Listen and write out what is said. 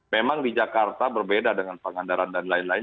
memang di jakarta berbeda dengan pangandaran dan lain lain